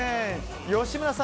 吉村さん